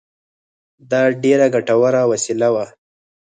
دا ډېره ګټوره وسیله وه